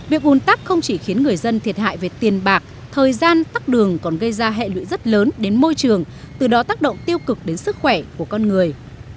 việc ồn tắc không chỉ khiến người dân thiệt hại về tiền bạc thời gian tắt đường còn gây ra hệ lụy rất lớn đến môi trường từ đó tác động tiêu cực đến sức khỏe của con người